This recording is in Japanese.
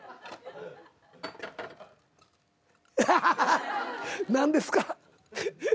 ハハハハ「何ですか？」